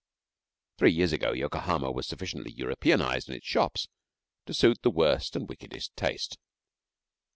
Three years ago Yokohama was sufficiently Europeanised in its shops to suit the worst and wickedest taste.